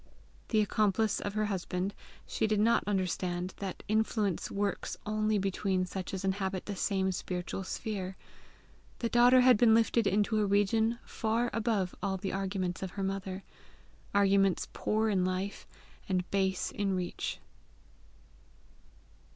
The accomplice of her husband, she did not understand that influence works only between such as inhabit the same spiritual sphere: the daughter had been lifted into a region far above all the arguments of her mother arguments poor in life, and base in reach.